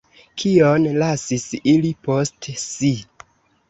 Kion lasis ili post si?